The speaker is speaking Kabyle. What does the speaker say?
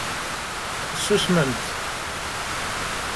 Ssusmemt!